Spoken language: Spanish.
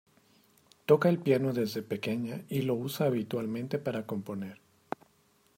Toca el piano desde pequeña y lo usa habitualmente para componer.